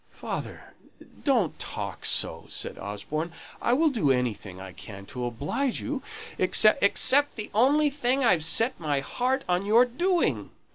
"Father, don't talk so," said Osborne. "I'll do anything I can to oblige you, except " "Except the only thing I've set my heart on your doing."